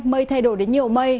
mây thay đổi đến nhiều mây